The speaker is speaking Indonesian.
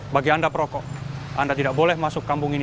bagi anda perokok anda tidak boleh masuk kampung ini